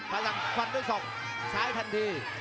พลังฟันด้วยศอกซ้ายทันที